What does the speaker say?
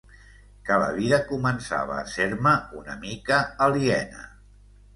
Que la vida començava a ser-me una mica aliena.